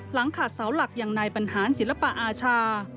หลังขาดเสาหลักอย่างนายบรรหารศิลปะอาชา